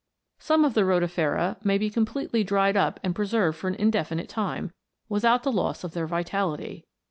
Some of the rotifera may be completely dried up and pre served for an indefinite time, without the loss of their vitality.